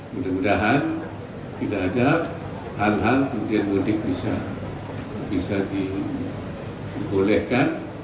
mudah mudahan tidak ada hal hal kemudian mudik bisa dibolehkan